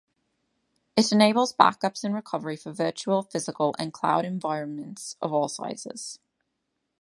It enables backups and recovery for virtual, physical and cloud environments of all sizes.